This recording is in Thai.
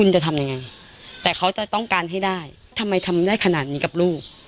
จะทำยังไงแต่เขาจะต้องการให้ได้ทำไมทำได้ขนาดนี้กับลูก